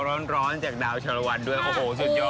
และข้าวร้อนจากดาวชรวรดิ์ด้วยโอ้โหสุดยอด